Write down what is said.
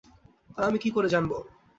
তা আমি কী করে জানবো?